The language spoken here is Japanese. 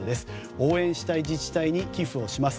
応援したい自治体に寄付をします。